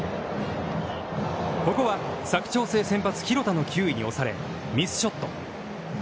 ここは佐久長聖、先発広田の球威に押され、ミスショット。